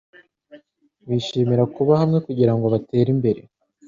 Bishimira kuba hamwe kugirango batere imbere